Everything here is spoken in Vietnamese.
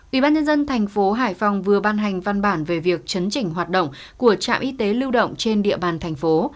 ủy ban nhân dân thành phố hải phòng vừa ban hành văn bản về việc chấn chỉnh hoạt động của trạm y tế lưu động trên địa bàn thành phố